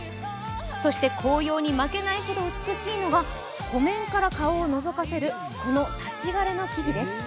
そして紅葉に負けないほど美しいのが湖面から顔をのぞかせるこの立ち枯れの木々です。